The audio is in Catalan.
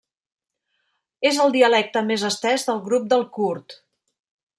És el dialecte més estès del grup del kurd.